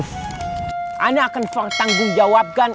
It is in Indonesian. saya akan bertanggung jawabkan